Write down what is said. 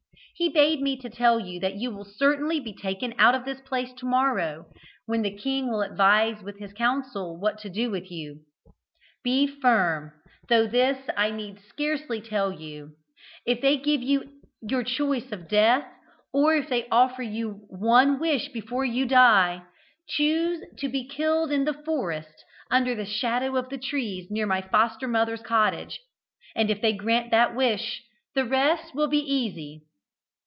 He bade me tell you that you will certainly be taken out of this place to morrow, when the king will advise with his council what to do with you. Be firm though this I need scarcely tell you: if they give you your choice of death, or if they offer you one wish before you die, choose to be killed in the forest, under the shadow of the trees near my foster mother's cottage, and if they grant that wish the rest will be easy.